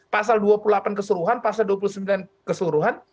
pasal dua puluh delapan keseluruhan pasal dua puluh sembilan keseluruhan